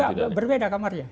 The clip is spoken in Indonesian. oh nggak berbeda kamarnya